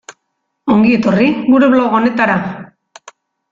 Ongi etorri gure blog honetara.